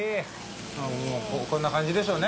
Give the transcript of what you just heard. あぁもうこんな感じでしょうね。